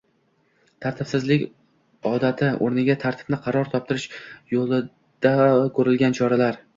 tartibsizlik odati o‘rniga tartibni qaror toptirish yo‘lida ko‘rilgan choralar.